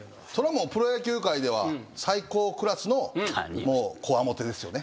もうプロ野球界では最高クラスのこわもてですよね。